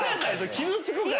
傷つくから。